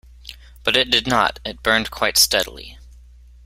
But it did not: it burned quite steadily.